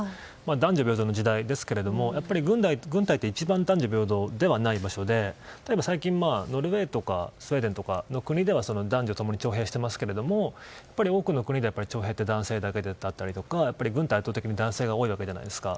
男女平等の時代ですがやっぱり軍隊って一番男女平等ではない場所で最近、ノルウェーとかスウェーデンの国では男女共に徴兵していますが多くの国では徴兵って男性だけだったり軍隊、圧倒的に男性が多いわけじゃないですか。